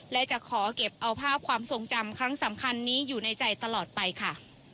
และจะขอเก็บเอาภาพความทรงจำครั้งสำคัญนี้อยู่ในใจตลอดไปค่ะ